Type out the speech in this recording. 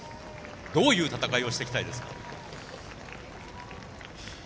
どういう戦いをしていきたいですか。